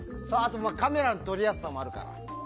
カメラの撮りやすさとかもあるから。